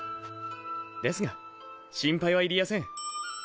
ですが心配はいりやせん。